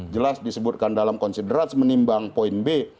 jelas disebutkan dalam konsiderats menimbang poin b